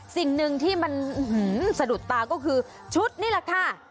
สิ่งหนึ่งที่มันสะดุดตาก็คือชุดนี่แหละค่ะ